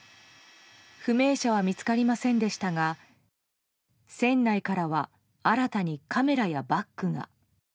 不明者は見つかりませんでしたが船内からは新たにカメラやバッグが。